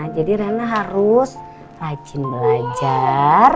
jadi rena harus rajin belajar